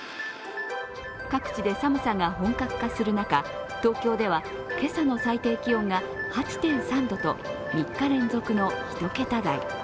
各地で寒さが本格化する中東京では今朝の最低気温が８．３度と３日連続の１桁台。